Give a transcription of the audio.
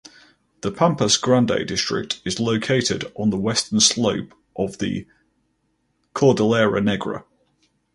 The Pampas Grande district is located on the western slope of the Cordillera Negra.